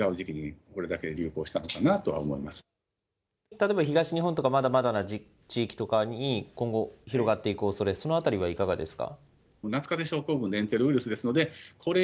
例えば東日本とかまだまだな地域とかに、今後、広がっていくおそれ、そのあたりはいかがですか。